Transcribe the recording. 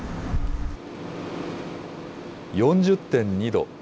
４０．２度。